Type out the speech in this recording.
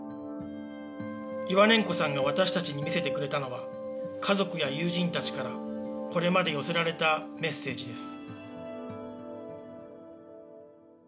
イワネンコさんが私たちに見せてくれたのは、家族や友人たちからこれまで寄せられたメッセージです。